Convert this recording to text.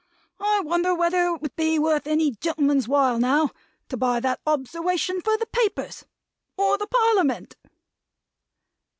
I wonder whether it would be worth any gentleman's while, now, to buy that obserwation for the Papers; or the Parliament!"